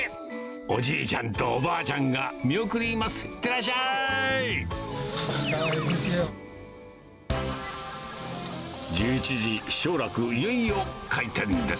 おじいちゃんとおばあちゃんが見送ります。